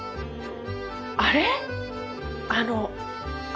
あれ？